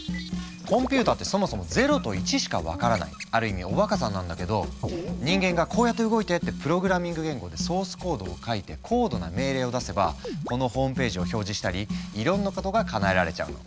コンピューターってそもそも「０」と「１」しか分からないある意味おバカさんなんだけど人間が「こうやって動いて」ってプログラミング言語でソースコードを書いて高度な命令を出せばこのホームページを表示したりいろんなことがかなえられちゃうの。